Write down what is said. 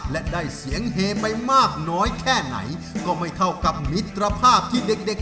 และได้เสียงเฮไปมากน้อยแค่ไหนก็ไม่เท่ากับมิตรภาพที่เด็กเด็ก